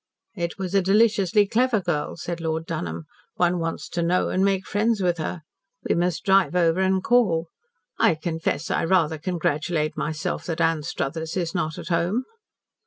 "It was a deliciously clever girl," said Lord Dunholm. "One wants to know and make friends with her. We must drive over and call. I confess, I rather congratulate myself that Anstruthers is not at home."